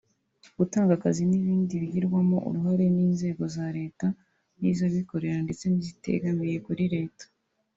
gutanga akazi n’ibindi bigirwamo uruhare n’inzego za Leta niz’abikorera ndetse n’izitegamiye kuri Leta